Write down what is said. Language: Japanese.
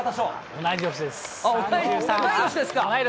同い年ですか？